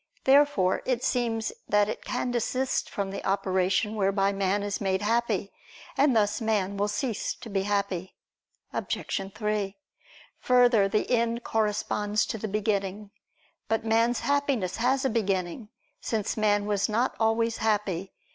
Therefore it seems that it can desist from the operation whereby man is made happy: and thus man will cease to be happy. Obj. 3: Further, the end corresponds to the beginning. But man's Happiness has a beginning, since man was not always happy.